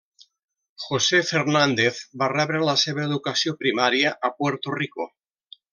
José Fernández va rebre la seva educació primària a Puerto Rico.